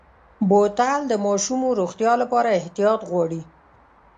بوتل د ماشومو روغتیا لپاره احتیاط غواړي.